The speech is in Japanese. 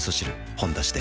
「ほんだし」で